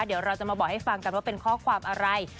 เดี๋ยวเราจะมาบอกให้ฟังกันว่าเป็นข้อความอะไร